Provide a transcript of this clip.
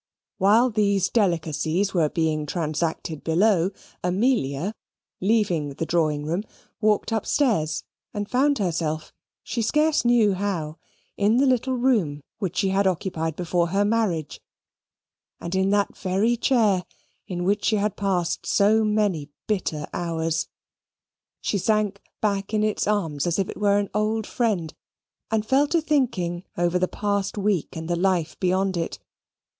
While these delicacies were being transacted below, Amelia, leaving the drawing room, walked upstairs and found herself, she scarce knew how, in the little room which she had occupied before her marriage, and in that very chair in which she had passed so many bitter hours. She sank back in its arms as if it were an old friend; and fell to thinking over the past week, and the life beyond it.